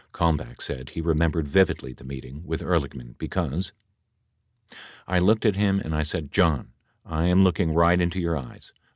Kalmbach said he remembered vividly the meeting with Ehrlichman because : I looked at him and I said, "John, I am looking right into your eyes.